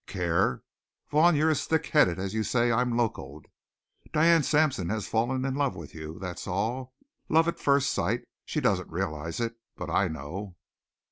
"Care! Vaughn, you're as thickheaded as you say I'm locoed. Diane Sampson has fallen in love with you! That's all. Love at first sight! She doesn't realize it. But I know."